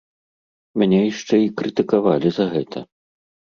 Мяне яшчэ і крытыкавалі за гэта.